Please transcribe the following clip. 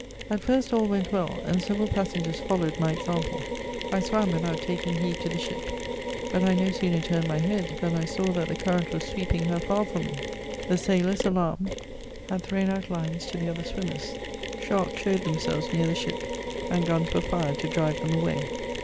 At first all went' well — and several passengers followed my example. I swam without taking heed to the ship ; hut I no sooner turned my head than I saw that the cuxflbt was sweeping her far from me. The sailors, alarmed, had thrown out lines to the other swimmers. Sharks showed them selves near the ship, and guns were fired to drive them away.